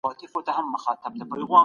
تاسي په اخیرت کي د چا د بخښنې هیله لرئ؟